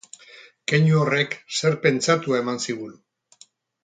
Keinu horrek zer pentsatua eman zigun.